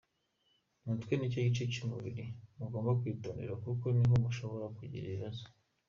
Umutwe nicyo gice cy’umubiri mugomba kwitondera kuko niho mushobora kugira ibibazo.